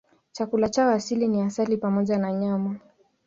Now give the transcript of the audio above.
Chakula chao asili ni asali pamoja na nyama.